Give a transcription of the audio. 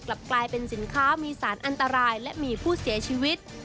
กลับกลายเป็นสินค้ามีสารอันตรายและมีผู้เสียชีวิต